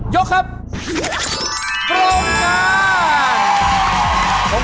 ยกครับกรมการ